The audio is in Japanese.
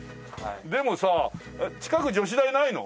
でもさ近く女子大ないの？